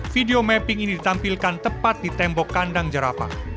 video mapping ini ditampilkan tepat di tembok kandang jerapah